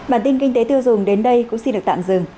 bản tin kinh tế tiêu dùng đến đây cũng xin được tạm dừng